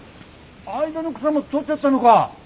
間の草も取っちゃったのか。